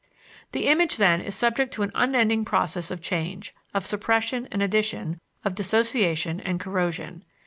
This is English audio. The image, then, is subject to an unending process of change, of suppression and addition, of dissociation and corrosion.